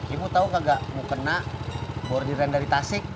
ibu tahu kak gak mau kena bordiran dari tasik